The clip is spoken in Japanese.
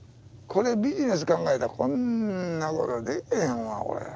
これビジネス考えたらこんなことでけへんわこれ。